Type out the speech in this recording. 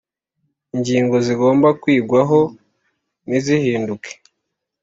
ingingo zigomba kwigwaho ntizihinduke